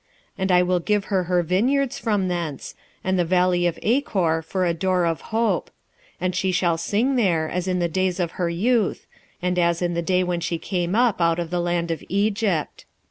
2:15 And I will give her her vineyards from thence, and the valley of Achor for a door of hope: and she shall sing there, as in the days of her youth, and as in the day when she came up out of the land of Egypt.